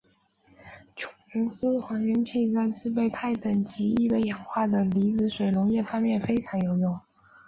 琼斯还原器在制备钛等极易被氧化的离子水溶液方面非常有用。